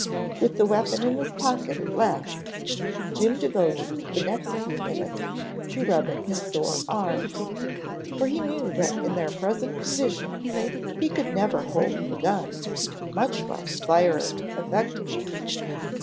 With the weapon in his pocket at last, Jim devoted the next few minutes to rubbing his sore arms, for he knew that in their present condition he could never hold the gun, much less fire it effectively.